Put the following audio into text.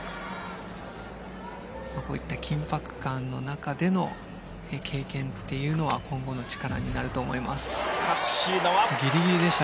こういった緊迫感の中での経験というのは今後の力になると思います。